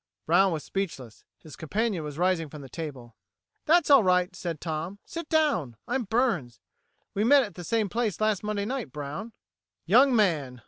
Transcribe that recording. Brown was speechless; his companion was rising from the table. "That's all right," said Tom. "Sit down! I'm Burns. We met at the same place last Monday night, Brown." "Young man!"